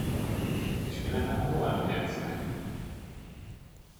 És mi lenne, ha holnap játszanánk?